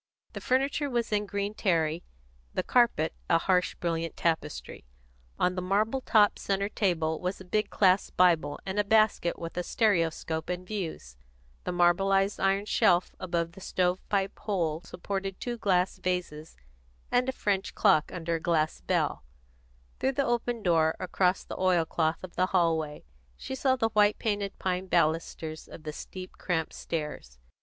The furniture was in green terry, the carpet a harsh, brilliant tapestry; on the marble topped centre table was a big clasp Bible and a basket with a stereoscope and views; the marbleised iron shelf above the stove pipe hole supported two glass vases and a French clock under a glass bell; through the open door, across the oil cloth of the hallway, she saw the white painted pine balusters of the steep, cramped stairs.